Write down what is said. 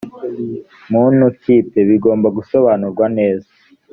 muntu kipe bigomba gusobanurwa neza